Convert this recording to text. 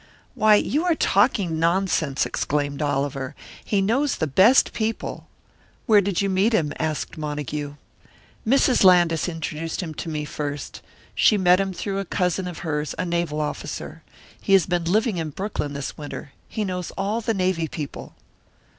"Why, you are talking nonsense!" exclaimed Oliver; "he knows the best people " "Where did you meet him?" asked Montague. "Mrs. Landis introduced him to me first. She met him through a cousin of hers, a naval officer. He has been living in Brooklyn this winter. He knows all the navy people."